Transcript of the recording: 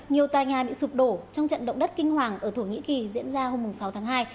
nhiều tòa nhà bị sụp đổ trong trận động đất kinh hoàng ở thổ nhĩ kỳ diễn ra hôm sáu tháng hai